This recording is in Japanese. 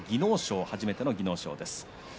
初めての技能賞です。